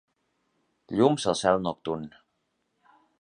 Llums al cel nocturn.